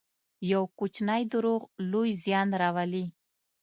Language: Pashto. یو کوچنی دروغ لوی زیان راولي.